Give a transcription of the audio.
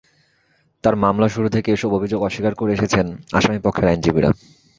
তবে মামলার শুরু থেকেই এসব অভিযোগ অস্বীকার করে এসেছেন আসামিপক্ষের আইনজীবীরা।